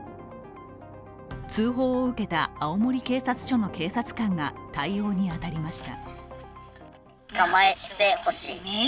通報を受けた青森警察署の警察官が対応に当たりました。